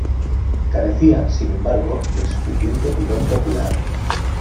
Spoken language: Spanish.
Carecía, sin embargo, del suficiente tirón popular.